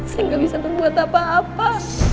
saya gak bisa membuat apa apa